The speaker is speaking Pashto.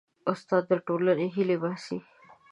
استاد د ټولنې هیلې باسي.